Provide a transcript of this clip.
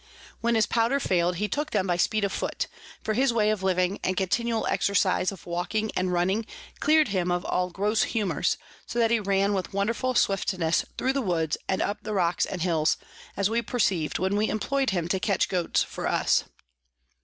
When his Powder fail'd, he took them by speed of foot; for his way of living and continual Exercise of walking and running, clear'd him of all gross Humours, so that he ran with wonderful Swiftness thro the Woods and up the Rocks and Hills, as we perceiv'd when we employ'd him to catch Goats for us.